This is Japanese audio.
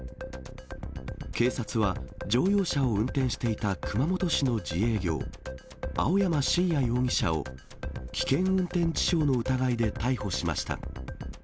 警察は、乗用車を運転していた熊本市の自営業、青山真也容疑者を、危険運転致傷の疑いで逮捕しました。